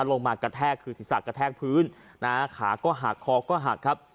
มากระแทกคือศีรษะกระแทกพื้นนะฮะขาก็หักคอก็หักครับ